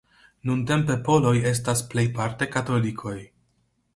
Nuntempe Poloj estas plejparte katolikoj.